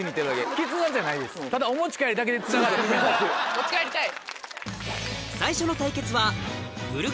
持ち帰りたい。